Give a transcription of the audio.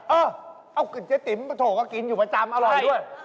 เออเอากลิ่นเจ๊ติ๋มมาโถก็กินอยู่ประจำอร่อยด้วย